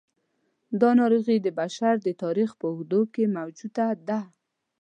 دا ناروغي د بشر د تاریخ په اوږدو کې موجوده ده.